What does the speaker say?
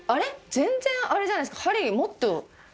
全然あれじゃないですか？